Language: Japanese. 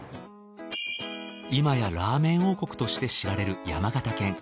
今やラーメン王国として知られる山形県。